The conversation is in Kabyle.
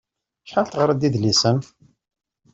Acḥal teɣriḍ d idlisen?